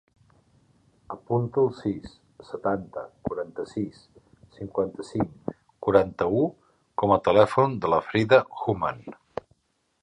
Apunta el sis, setanta, quaranta-sis, cinquanta-cinc, quaranta-u com a telèfon de la Frida Huaman.